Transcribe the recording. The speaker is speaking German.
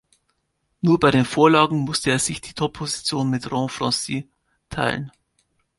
Nur bei den Vorlagen musste er sich die Topposition mit Ron Francis teilen.